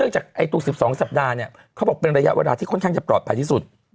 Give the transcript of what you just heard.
จากตัว๑๒สัปดาห์เนี่ยเขาบอกเป็นระยะเวลาที่ค่อนข้างจะปลอดภัยที่สุด